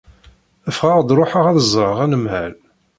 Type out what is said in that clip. Ffɣeɣ-d ruḥeɣ ad d-ẓreɣ anemhal.